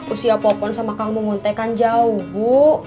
usia popon sama kamu ngontek kan jauh bu